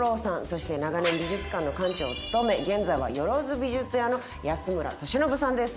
そして長年美術館の館長を務め現在は萬美術屋の安村敏信さんです。